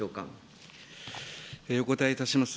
お答えいたします。